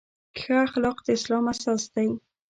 ښه اخلاق د اسلام اساس دی.